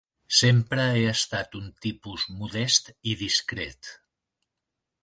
Sempre he estat un tipus modest i discret.